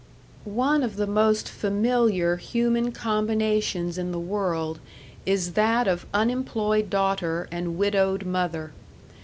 One of the most familiar human combinations in the world is that of unemployed daughter and widowed mother.